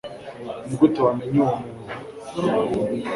nigute wamenye uwo muntu